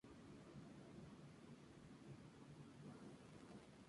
Algunos de los responsables de la masacre se encuentran aún en paradero desconocido.